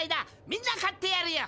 みんな買ってやるよ。